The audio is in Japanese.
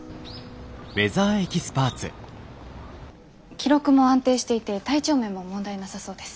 記録も安定していて体調面も問題なさそうです。